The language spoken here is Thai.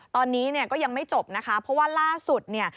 ตอนนี้เนี่ยก็ยังไม่จบนะคะเพราะว่าล่าสุดเนี่ย